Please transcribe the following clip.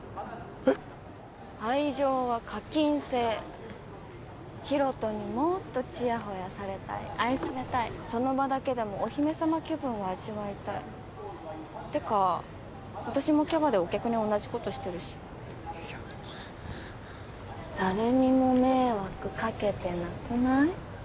愛情は課金制ヒロトにもっとちやほやされたい愛されたいその場だけでもお姫様気分を味わいたいてか私もキャバでお客に同じことしてるしいや誰にも迷惑かけてなくない？